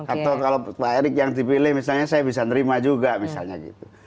atau kalau pak erick yang dipilih misalnya saya bisa nerima juga misalnya gitu